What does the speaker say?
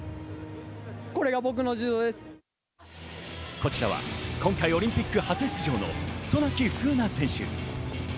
こちらは今回オリンピック初出場の渡名喜風南選手。